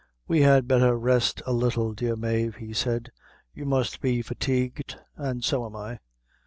"We had betther rest a little, dear Mave," he said; "you must be fatigued, and so am I.